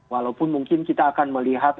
walaupun mungkin kita akan melihat